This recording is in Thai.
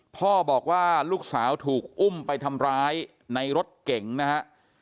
พ่อบอกว่าลูกสาวถูกอุ้มไปทำร้ายในรถเก๋งนะฮะ